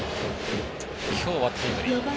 今日はタイムリー。